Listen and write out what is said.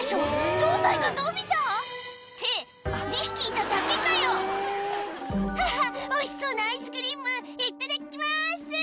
胴体が伸びた？って２匹いただけかよあっおいしそうなアイスクリームいただきます！